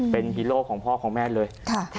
เป็นฮีโร่ของพ่อของแม่เลย